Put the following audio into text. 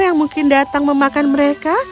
yang mungkin datang memakan mereka